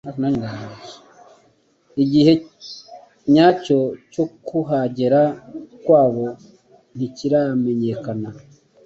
Igihe nyacyo cyo kuhagera kwabo ntikiramenyekana.